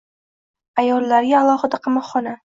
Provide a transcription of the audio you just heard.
Ayollarga alohida qamoqxona